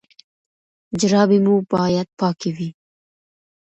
جرابې مو باید پاکې وي.